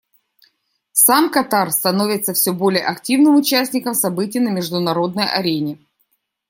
Сам Катар становится все более активным участником событий на международной арене.